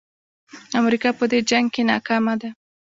امریکا په دې جنګ کې ناکامه ده.